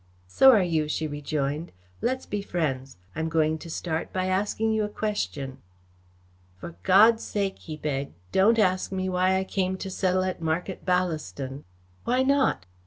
"So are you," she rejoined. "Let's be friends. I am going to start by asking you a question." "For God's sake," he begged, "don't ask me why I came to settle at Market Ballaston." "Why not?"